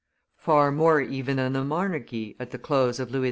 Far more even than the monarchy, at the close of Louis XV.